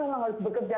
memang harus bekerja